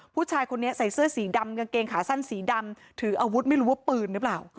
ผู้ชายคนนี้ใส่เสื้อสีดำกางเกงขาสั้นสีดำถืออาวุธไม่รู้ว่าปืนหรือเปล่า